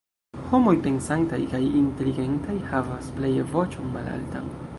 Homoj pensantaj kaj inteligentaj havas pleje voĉon malaltan.